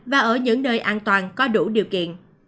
và ở những nơi an toàn có đủ điều kiện